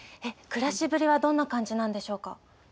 暮らしぶりはどんな感じなんでしょうか？